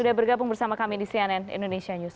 sudah bergabung bersama kami di cnn indonesia news